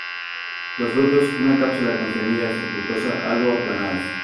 Los frutos una cápsula con semillas subglobosas, algo aplanadas.